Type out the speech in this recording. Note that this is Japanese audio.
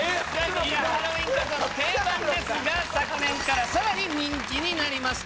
ハロウィングッズの定番ですが昨年からさらに人気になりました